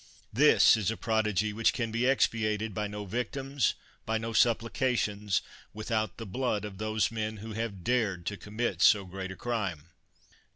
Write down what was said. This is a prodigy which can be expiated by no victims, by no supplications, without the blood of those men who have dared to commit so great a crime.